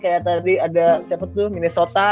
kayak tadi ada siapa tuh minnesota